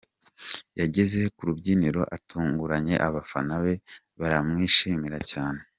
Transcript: Yageze ku rubyiniro atunguranye abafana be baramwishimira cyane.